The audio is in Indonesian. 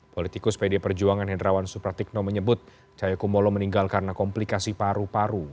politikus pd perjuangan hendrawan supratikno menyebut cahaya kumolo meninggal karena komplikasi paru paru